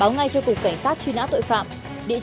nguyễn quốc khánh